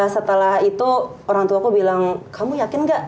setelah itu orang tuaku bilang kamu yakin gak